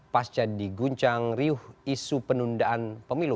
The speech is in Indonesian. pas jadi guncang riuh isu penundaan pemilu